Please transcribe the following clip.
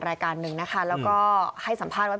รายการหนึ่งนะคะแล้วก็ให้สัมภาษณ์ว่า